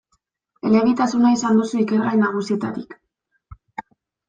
Elebitasuna izan duzu ikergai nagusietarik.